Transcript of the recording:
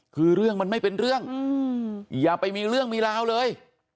คือเรื่องมันไม่เป็นเรื่องอย่าไปมีเรื่องมีราวเลย